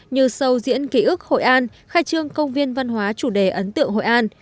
như sâu diễn ký ức hội an khai trương công viên văn hóa chủ đề ấn tượng hội an